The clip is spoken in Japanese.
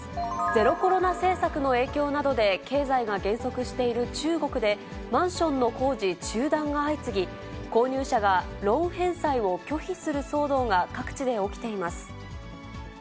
ゼロコロナ政策の影響などで経済が減速している中国で、マンションの工事中断が相次ぎ、購入者がローン返済を拒否する騒動が各地で起きています。